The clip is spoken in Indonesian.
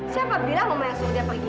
siapa bilang mama yang suruh dia pergi